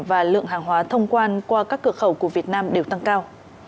và lượng hàng hóa thông quan qua các cửa khẩu của việt nam đều tăng cao